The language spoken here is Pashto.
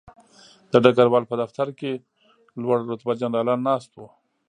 د ډګروال په دفتر کې لوړ رتبه جنرالان ناست وو